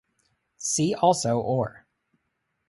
See also or.